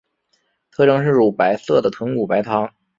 特征是乳白色的豚骨白汤。